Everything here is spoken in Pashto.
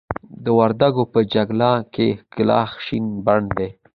د وردکو په جلګه کې کلاخ شين بڼ دی.